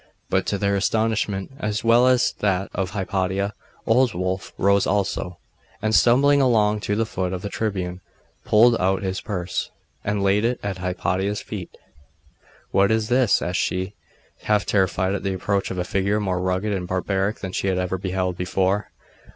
But to their astonishment, as well as to that of Hypatia, old Wulf rose also, and stumbling along to the foot of the tribune, pulled out his purse, and laid it at Hypatia's feet. 'What is this?' asked she, half terrified at the approach of a figure more rugged and barbaric than she had ever beheld before.